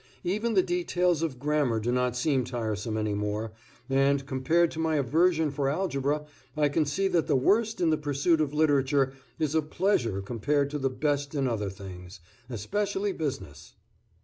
Even the details of grammar do not seem tiresome any more, and, compared to my aversion for algebra, I can see that the worst in the pursuit of literature is a pleasure compared to the best in other things, especially business.